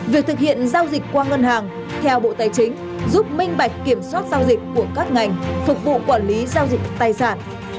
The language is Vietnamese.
việc thực hiện giao dịch qua ngân hàng theo bộ tài chính giúp minh bạch kiểm soát giao dịch của các ngành phục vụ quản lý giao dịch tài sản